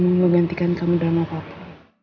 dan aku gak mau mau gantikan kamu drama pake